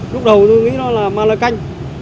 lúc đầu tôi nghĩ nó là ma lợi canh